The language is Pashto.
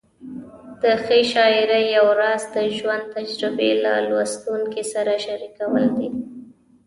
د ښې شاعرۍ یو راز د ژوند تجربې له لوستونکي سره شریکول دي.